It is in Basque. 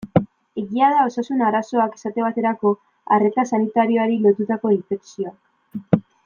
Egia da osasun arazoak, esate baterako arreta sanitarioari lotutako infekzioak.